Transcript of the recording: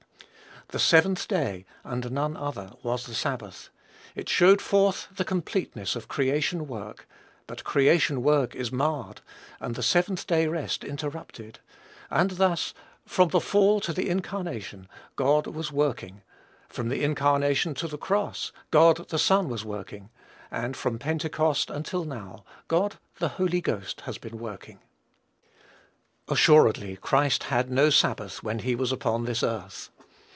"The seventh day," and none other, was the sabbath. It showed forth the completeness of creation work; but creation work is marred, and the seventh day rest interrupted; and thus, from the fall to the incarnation, God was working; from the incarnation to the cross, God the Son was working; and from Pentecost until now, God the Holy Ghost has been working. Assuredly, Christ had no sabbath when he was upon this earth.